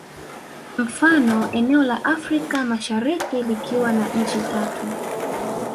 Mfano eneo la Afrika Mashariki likiwa na nchi tatu